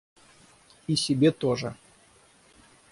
И себе тоже.